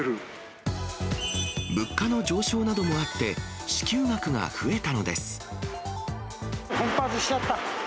物価の上昇などもあって、奮発しちゃった。